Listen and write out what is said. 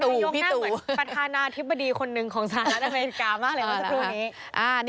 หน้านายกนั่งเหมือนปัฒนาอธิบดีคนนึงของสหรัฐอเมริกามากเลยเบิร์ดสักครู่นี้